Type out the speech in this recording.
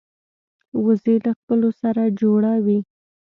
وزې له خپلو سره جوړه وي